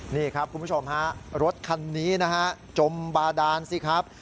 นี่ครับคุณผู้ชมฮะรถคันนี้นะฮะจมบาดานสิครับ